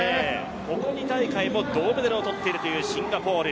ここ２大会も銅メダルを取っているというシンガポール。